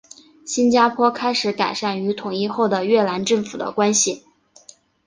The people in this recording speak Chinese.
新加坡开始改善与统一后的越南政府的关系。